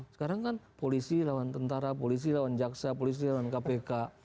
sekarang kan polisi lawan tentara polisi lawan jaksa polisi lawan kpk